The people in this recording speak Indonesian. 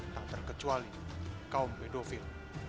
tak terkecuali kaum bedofil